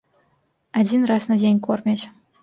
Адзін раз на дзень кормяць.